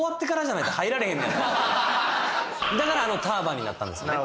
これだからあのターバンになったんですね